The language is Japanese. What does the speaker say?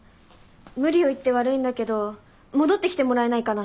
無理を言って悪いんだけど戻ってきてもらえないかな。